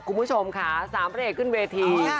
คุณผู้ชมค่ะ๓พระเอกขึ้นเวที